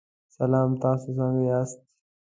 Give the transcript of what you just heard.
سلام، تاسو څنګه یاست؟